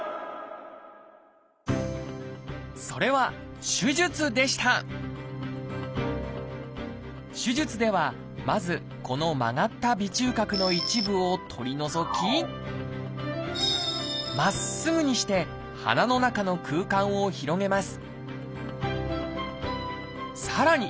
それは手術ではまずこの曲がった鼻中隔の一部を取り除きまっすぐにして鼻の中の空間を広げますさらに